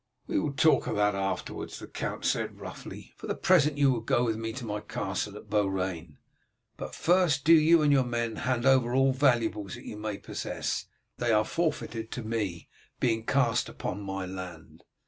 "We will talk of that afterwards," the count said roughly; "for the present you go with me to my castle at Beaurain. But first do you and your men hand over all valuables that you may possess; they are forfeited to me, being cast up on my land."